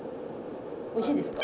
おいしいですか？